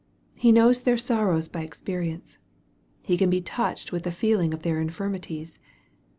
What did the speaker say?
He knows their sorrows by experience. He can be touched with the feeling of their infirmities.